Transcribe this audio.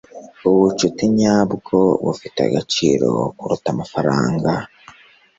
ubucuti nyabwo bufite agaciro kuruta amafaranga